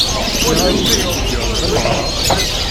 Ayɣer ur tettgeḍ tameɣra?